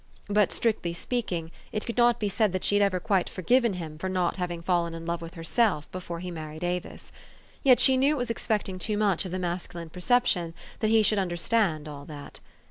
But, strictly speaking, it could not be said that she had ever quite forgiven him for not having fallen in love with herself before he mar ried Avis. Yet she knew it was expecting too much of the masculine perception that he should under stand all that.